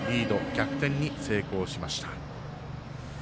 逆転に成功しました。